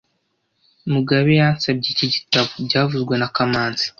Mugabe yansabye iki gitabo byavuzwe na kamanzi